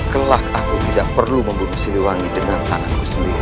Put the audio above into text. kelak aku tidak perlu membunuh siliwangi dengan tanganku sendiri